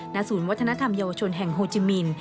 ศูนย์วัฒนธรรมเยาวชนแห่งโฮจิมิน